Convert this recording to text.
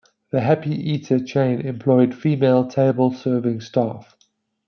The Happy Eater chain employed female table serving staff.